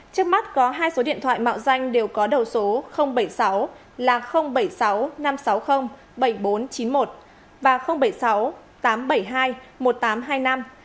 trước mắt có hai số điện thoại mạo danh đều có đầu số bảy mươi sáu là bảy mươi sáu năm trăm sáu mươi bảy nghìn bốn trăm chín mươi một và bảy mươi sáu tám trăm bảy mươi hai một nghìn tám trăm hai mươi năm